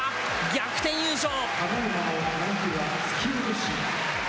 逆転優勝。